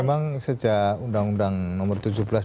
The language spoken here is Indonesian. memang sejak undang undang nomor tujuh belas dua ribu sebelas